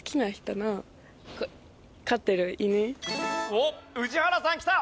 おっ宇治原さんきた！